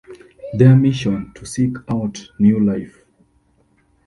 Their mission: to seek out new life.